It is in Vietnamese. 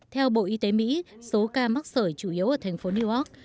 theo bộ y tế mỹ số ca mắc sở chủ yếu ở thành phố newark